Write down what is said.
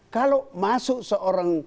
kalau masuk seorang